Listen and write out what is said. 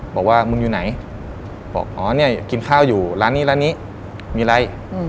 บอกว่ามึงอยู่ไหนบอกอ๋อเนี่ยกินข้าวอยู่ร้านนี้ร้านนี้มีอะไร